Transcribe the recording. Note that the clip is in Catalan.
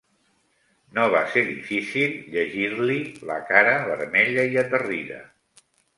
No va ser difícil llegir-li la cara vermella i aterrida.